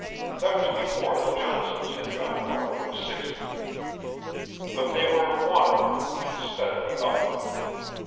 That was before the Johnsons had gone north of Sixty. But they were wandering, and steadily upward.